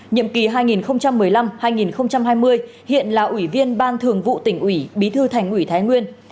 nhiệm kỳ hai nghìn một mươi năm hai nghìn hai mươi hiện là ủy viên ban thường vụ tỉnh ủy bí thư thành ủy thái nguyên